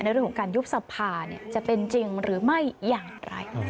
เรื่องของการยุบสภาจะเป็นจริงหรือไม่อย่างไร